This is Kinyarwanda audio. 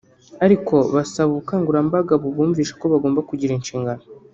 ariko basaba ubukangurambaga bubumvisha ko bagomba kugira inshingano